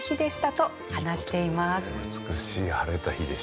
と話しています。